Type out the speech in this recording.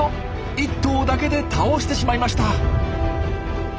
１頭だけで倒してしまいました。